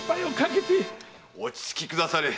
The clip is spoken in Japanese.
落ち着きくだされ。